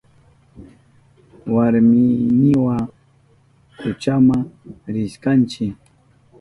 Warminiwa kuchama rishkanchi.